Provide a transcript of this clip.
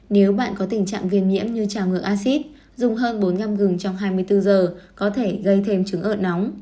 nếu bạn có tình trạng viên nhiễm như trào ngược acid dùng hơn bốn năm gừng trong hai mươi bốn giờ có thể gây thất bại